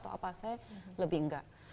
saya lebih enggak